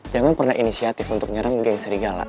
jangan pernah inisiatif untuk nyerang geng serigala